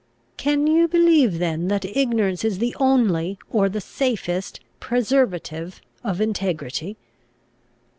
"Can you believe then that ignorance is the only, or the safest, preservative of integrity?"